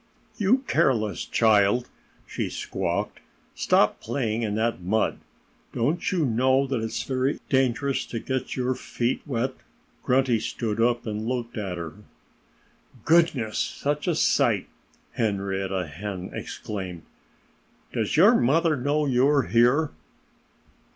"You careless child!" she squawked. "Stop playing in that mud! Don't you know that it's very dangerous to get your feet wet?" Grunty Pig stood up and looked at her. "Goodness! You're a sight!" Henrietta Hen exclaimed. "Does your mother know you're here?"